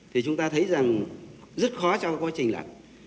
thì chúng ta thấy rằng rất khó trong quá trình là